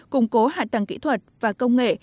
củng cố hạ tầng kỹ thuật và công nghệ